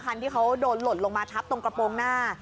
คันที่เขาโดนหล่นลงมาทับตรงกระโปรงหน้า